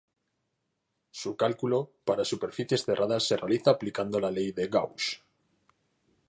Su cálculo para superficies cerradas se realiza aplicando la ley de Gauss.